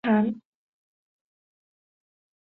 丈夫为医生汤于翰。